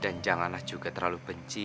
dan janganlah juga terlalu benci